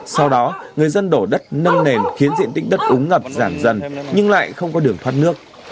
sau đó người dân đổ đất nâng nền khiến diện tích đất ống ngập giảm dần nhưng lại không có đường thoát nước